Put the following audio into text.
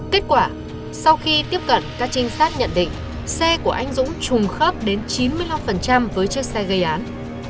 kết quả sau khi tiếp cận các trinh sát nhận định xe của anh dũng trùng khớp đến chín mươi năm với chiếc xe gây án